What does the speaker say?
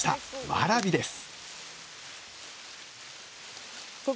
わらびです！